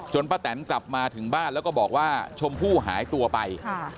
ป้าแตนกลับมาถึงบ้านแล้วก็บอกว่าชมพู่หายตัวไป